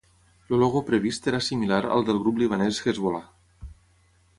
El logo previst era similar al del grup libanès Hezbollah.